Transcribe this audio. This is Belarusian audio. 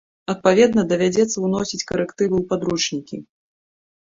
Адпаведна, давядзецца ўносіць карэктывы ў падручнікі.